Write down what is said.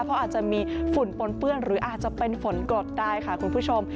เพราะอาจจะมีฝุ่นปนเปื้อนหรืออาจจะเป็นฝนกรดได้ค่ะคุณผู้ชม